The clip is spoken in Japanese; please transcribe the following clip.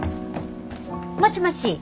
もしもし。